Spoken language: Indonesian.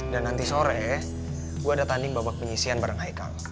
dan nanti sore gue ada tanding babak pengisian bareng haikal